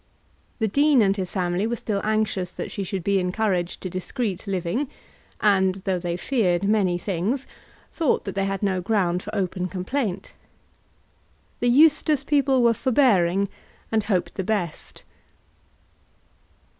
The dean and his family were still anxious that she should be encouraged to discreet living, and, though they feared many things, thought that they had no ground for open complaint. The Eustace people were forbearing, and hoped the best.